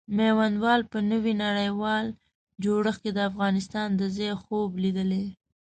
میوندوال په نوي نړیوال جوړښت کې د افغانستان د ځای خوب لیدلی.